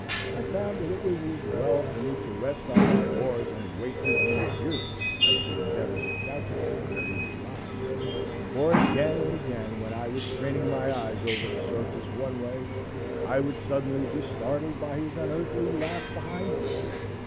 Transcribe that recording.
I found that it was as well for me to rest on my oars and wait his reappearing as to endeavor to calculate where he would rise; for again and again, when I was straining my eyes over the surface one way, I would suddenly be startled by his unearthly laugh behind me.